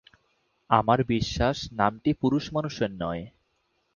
আমার বিশ্বাস নামটি পুরুষমানুষের নয়।